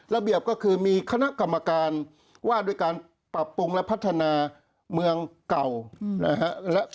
ระเบียบก็คือมีคณะกรรมการว่าด้วยการปรับปรุงและพัฒนาเมืองเก่านะฮะ